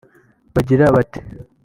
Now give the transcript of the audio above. bagira bati